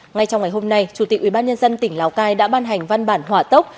ngay trong ngày hôm nay chủ tịch ubnd tỉnh lào cai đã ban hành văn bản hỏa tốc